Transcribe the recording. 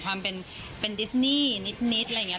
ความเป็นดิสนี่นิดอะไรอย่างนี้